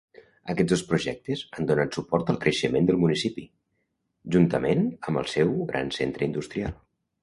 Aquests dos projectes han donat suport al creixement del municipi, juntament amb el seu gran centre industrial.